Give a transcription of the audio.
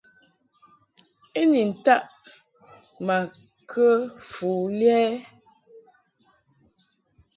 U ni taʼ ma kə fu lɛ ɛ ?